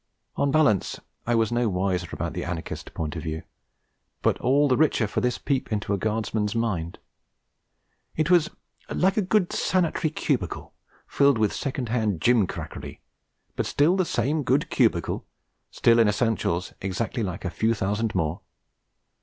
On balance I was no wiser about the anarchist point of view, but all the richer for this peep into a Guardsman's mind. It was like a good sanitary cubicle filled with second hand gimcrackery, but still the same good cubicle, still in essentials exactly like a few thousand more.